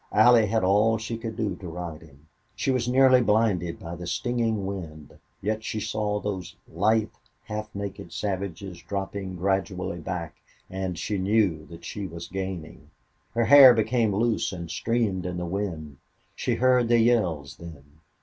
Allie had all she could do to ride him. She was nearly blinded by the stinging wind, yet she saw those lithe, half naked savages dropping gradually back and she knew that she was gaining. Her hair became loose and streamed in the wind. She heard the yells then.